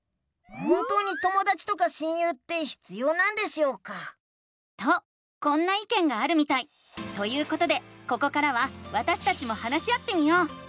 本当にともだちとか親友って必要なんでしょうか？とこんないけんがあるみたい！ということでここからはわたしたちも話し合ってみよう！